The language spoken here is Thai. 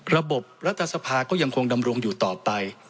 รัฐสภาก็ยังคงดำรงอยู่ต่อไป